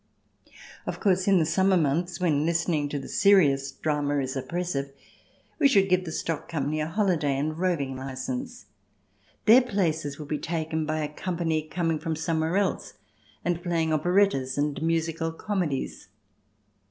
Of course, in the summer months, when listening to the serious drama is oppressive, we should give the stock company a holiday and roving licence. Their places would be taken by a company coming from somewhere else, and playing operettas and musical comedies.